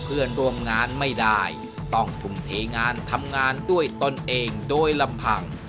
เพื่อนร่วมงานไม่ได้ต้องทุ่มเทงานทำงานด้วยตนเองโดยลำพัง